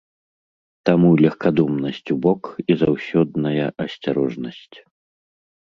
Таму легкадумнасць убок і заўсёдная асцярожнасць!